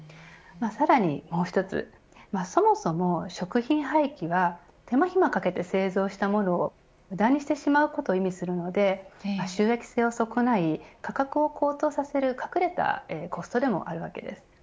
さらに、もう１つそもそも食品廃棄は手間暇かけて製造したものを無駄にしてしまうことを意味するので収益性を損ない価格を高騰させる隠れたコストでもあるわけです。